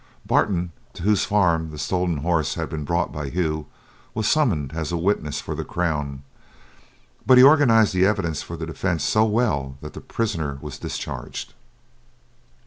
Barton, to whose farm the stolen horse had been brought by Hugh, was summoned as witness for the Crown, but he organised the evidence for the defence so well that the prisoner was discharged.